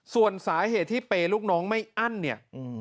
ส่วนสาเหตุที่เปย์ลูกน้องไม่อั้นเนี่ย